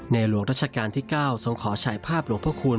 หลวงราชการที่๙ทรงขอฉายภาพหลวงพระคุณ